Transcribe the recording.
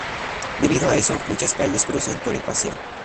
Debido a eso, muchas calles cruzan por el Paseo.